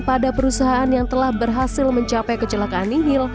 pada perusahaan yang telah berhasil mencapai kecelakaan nihil